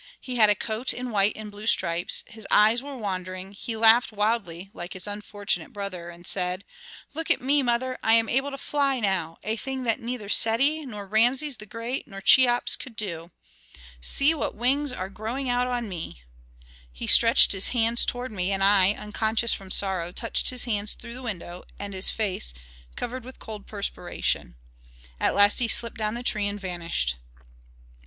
He had a coat in white and blue stripes, his eyes were wandering he laughed wildly, like his unfortunate brother, and said, 'Look at me, mother, I am able to fly now, a thing that neither Seti, nor Rameses the Great, nor Cheops could do. See what wings are growing out on me!' He stretched his hands toward me, and I, unconscious from sorrow, touched his hands through the window and his face, covered with cold perspiration. At last he slipped down the tree and vanished."